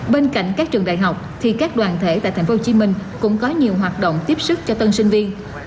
bên cạnh các trường đại học thì các đoàn thể tại thành phố hồ chí minh cũng có nhiều hoạt động tiếp sức cho tân sinh viên